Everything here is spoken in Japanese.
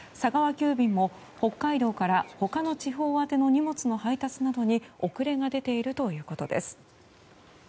急便も、北海道から他の地方宛ての荷物の配達などに遅れが出ているということです。